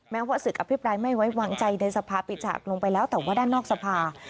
ว่าศึกอภิปรายไม่ไว้วางใจในสภาปิดฉากลงไปแล้วแต่ว่าด้านนอกสภา